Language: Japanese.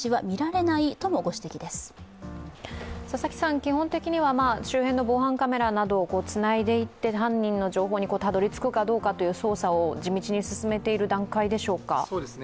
基本的には周辺の防犯カメラなどをつないでいって犯人の情報にたどりつくかどうかという捜査を地道に進めている段階でしょうか？